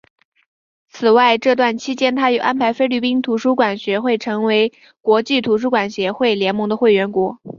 此外这段期间他又安排菲律宾图书馆学会成为国际图书馆协会联盟的会员国。